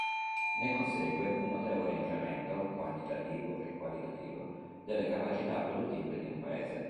Ne consegue un notevole incremento, quantitativo e qualitativo, delle capacità produttive di un Paese.